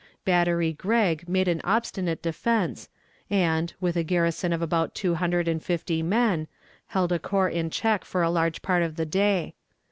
Battery Gregg made an obstinate defense, and, with a garrison of about two hundred and fifty men, held a corps in check for a large part of the day.